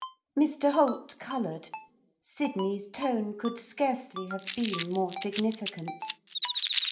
Mr Holt coloured, Sydney's tone could scarcely have been more significant.